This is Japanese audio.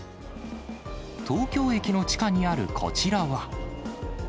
東京駅の地下にあるこちらは。